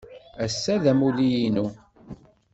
Ass-a d amulli-inu.